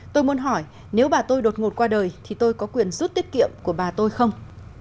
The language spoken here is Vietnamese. tôi muốn hỏi nếu bà tôi đột ngột qua đời thì tôi có quyền rút tiết kiệm của bà tôi không